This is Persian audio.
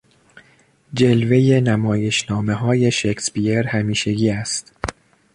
جلوه نمایشنامههای شکسپیر همیشگی است.